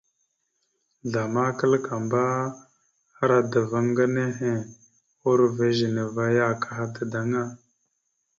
Zlama kǝlakamba, ara dava gaŋa nehe urova ezine va ya akaha dadaŋa.